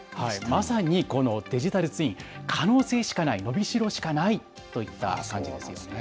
まさにこのデジタルツイン、可能性しかない、伸びしろしかないといった産業なんですよね。